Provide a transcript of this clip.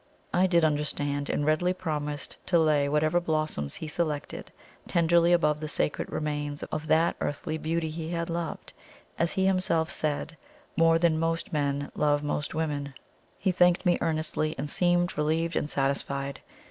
I did understand, and readily promised to lay whatever blossoms he selected tenderly above the sacred remains of that earthly beauty he had loved, as he himself said, "more than most men love most women." He thanked me earnestly, and seemed relieved and satisfied.